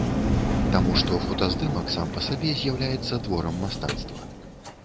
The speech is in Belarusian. Таму што фотаздымак сам па сабе з'яўляецца творам мастацтва.